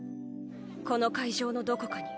この会場のどこかに。